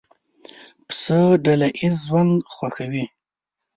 پسه ډله ییز ژوند خوښوي.